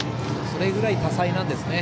それぐらい多彩なんですね